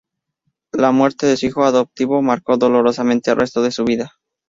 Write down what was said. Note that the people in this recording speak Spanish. La muerte de su hijo adoptivo marcó dolorosamente el resto de su vida.